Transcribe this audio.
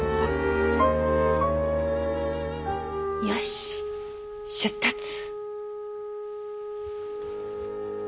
よし出立！